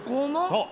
そう。